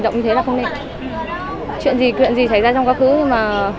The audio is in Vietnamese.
đấy là chuyện của em